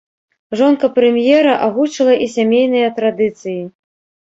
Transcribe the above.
Жонка прэм'ера агучыла і сямейныя традыцыі.